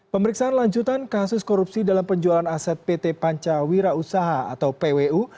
pemeriksaan lanjutan kasus korupsi dalam penjualan aset pt pancawira usaha atau pwu